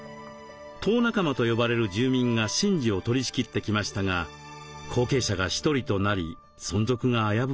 「頭仲間」と呼ばれる住民が神事を取りしきってきましたが後継者が１人となり存続が危ぶまれています。